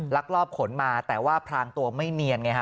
ลักลอบขนมาแต่ว่าพรางตัวไม่เนียนไงฮะ